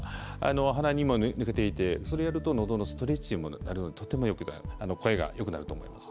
鼻にも抜けていてそれやるとのどのストレッチにもなるのでとてもよく声がよくなると思います。